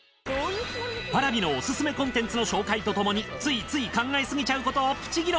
Ｐａｒａｖｉのオススメコンテンツの紹介とともについつい考えすぎちゃうことをプチ議論。